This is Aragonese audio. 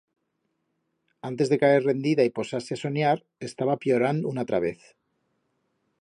Antes de caer rendida y posar-se a soniar, estaba pllorand una atra vez.